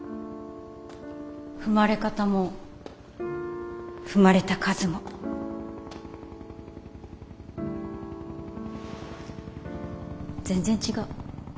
踏まれ方も踏まれた数も全然違う。